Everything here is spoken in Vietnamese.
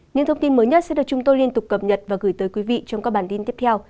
những thông tin mới nhất sẽ được chúng tôi liên tục cập nhật và gửi tới quý vị trong các bản tin tiếp theo